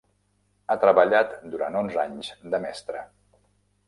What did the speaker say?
Ha treballat durant onze anys de mestra.